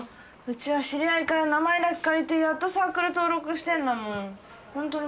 うちは知り合いから名前だけ借りてやっとサークル登録してんだもん。